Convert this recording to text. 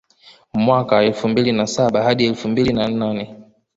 Mwaka elfu mbili na saba hadi elfu mbili na nane